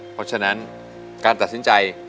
เพราะฉะนั้นการตัดสินใจ